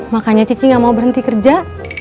makanya cici gak mau berhenti kerja